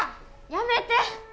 やめて！